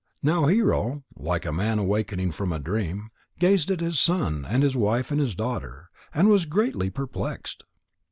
Now Hero, like a man awaking from a dream, gazed at his son and his wife and his daughter, and was greatly perplexed.